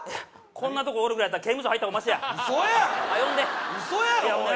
こんなとこおるぐらいやったら刑務所入った方がマシや嘘やん！